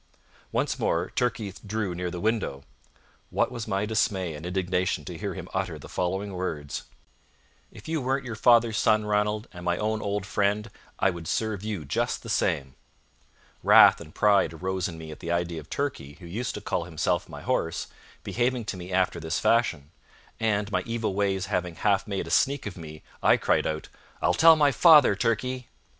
Once more Turkey drew near the window. What was my dismay and indignation to hear him utter the following words: "If you weren't your father's son, Ranald, and my own old friend, I would serve you just the same." Wrath and pride arose in me at the idea of Turkey, who used to call himself my horse, behaving to me after this fashion; and, my evil ways having half made a sneak of me, I cried out: "I'll tell my father, Turkey."